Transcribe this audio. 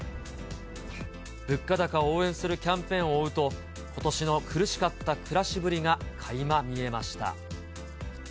物価高を応援するキャンペーンを追うと、ことしの苦しかった暮らしぶりがかいま見えました。